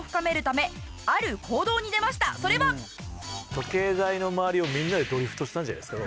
時計台の周りをみんなでドリフトしたんじゃないですか？